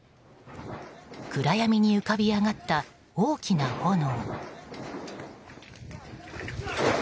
暗闇に浮かび上がった大きな炎。